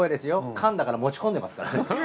缶だから持ち込んでますからね。